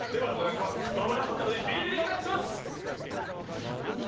守れなかったのでビリビリお願いします。